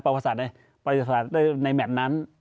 ประวัติศาสตร์ได้ในแมทนั้น